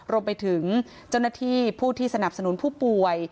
รวมไปถึงเจ้าหน้าที่ผู้ที่สนับสนุนผู้ป่วย